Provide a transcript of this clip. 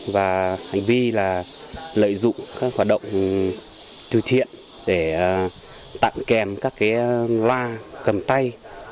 vì lợi dụng các hoạt động thư thiện để tặng kèm các loa cầm tay